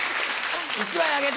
１枚あげて！